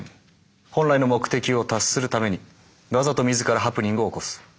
本来の目的を達するためにわざと自らハプニングを起こす。